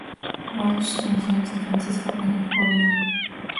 Walsh nació en San Francisco, California.